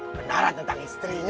beneran tentang istrinya